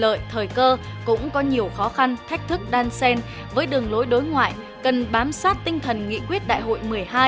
lợi thời cơ cũng có nhiều khó khăn thách thức đan sen với đường lối đối ngoại cần bám sát tinh thần nghị quyết đại hội một mươi hai